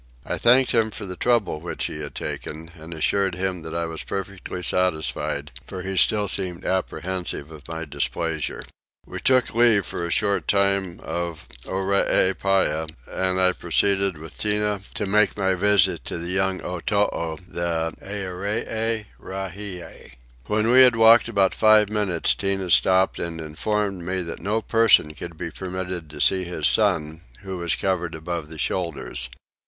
I thanked him for the trouble which he had taken, and assured him that I was perfectly satisfied, for he still seemed apprehensive of my displeasure. We took leave for a short time of Oreepyah and I proceeded with Tinah to make my visit to the young Otoo, the Earee Rahie. When we had walked about five minutes Tinah stopped and informed me that no person could be permitted to see his son, who was covered above the shoulders.